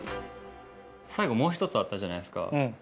最後もう一つあったじゃないですか。